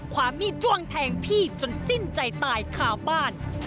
ความมีดจ้วงแทงพี่จนสิ้นใจตายคาบ้าน